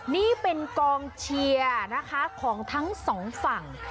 นี่เป็นกองเชียร์นะคะของทั้งสองฝั่ง